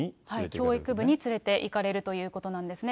教育部に連れていかれるということなんですね。